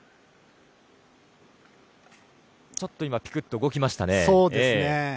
ちょっと今ぴくっと動きましたね。